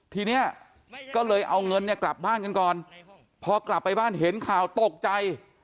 ทีนี้ก็เลยเอาเงินเนี่ยกลับบ้านกันก่อนพอกลับไปบ้านเห็นข่าวตกใจ